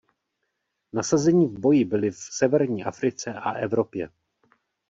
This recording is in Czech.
Nasazeni v boji byli v severní Africe a Evropě.